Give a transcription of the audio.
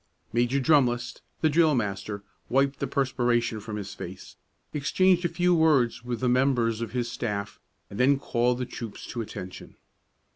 Major Drumlist, the drill master, wiped the perspiration from his face, exchanged a few words with the members of his staff, and then called the troops to attention.